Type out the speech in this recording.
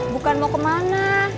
bukan mau ke mana